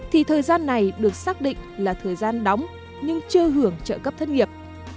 thì thời gian này được xác định là thời gian đóng nhưng chưa hưởng trợ cấp thất nghiệp